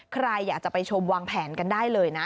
ใครอยากจะไปชมวางแผนกันได้เลยนะ